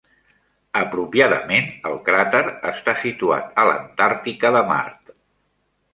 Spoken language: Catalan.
Apropiadament, el crater està situat a l'Antàrtica de Mart.